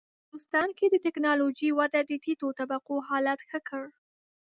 هندوستان کې د ټېکنالوژۍ وده د ټیټو طبقو حالت ښه کړ.